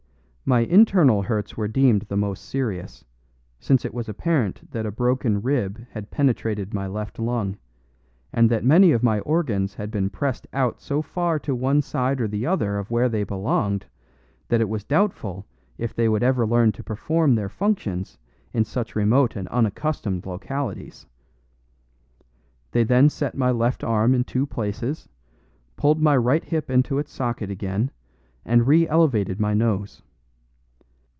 My internal hurts were deemed the most serious, since it was apparent that a broken rib had penetrated my left lung, and that many of my organs had been pressed out so far to one side or the other of where they belonged, that it was doubtful if they would ever learn to perform their functions in such remote and unaccustomed localities. They then set my left arm in two places, pulled my right hip into its socket again, and re elevated my nose.